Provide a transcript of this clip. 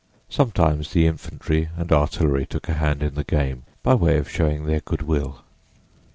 Sometimes the infantry and artillery took a hand in the game by way of showing their good will.